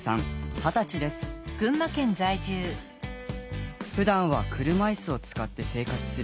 ふだんは車いすを使って生活する大学生。